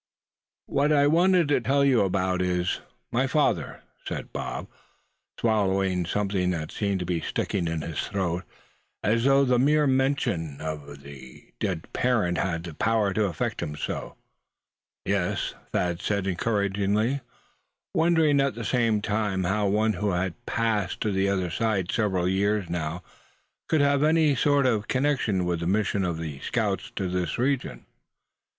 "WHAT I want to tell you about is my father," said Bob, swallowing something that seemed to be sticking in his throat; as though the mere mention of his dead parent had the power to affect him so. "Yes?" Thad said, encouragingly, wondering at the same time how one who had passed to the other side several years now, could have any sort of connection with the mission of the scouts to this region.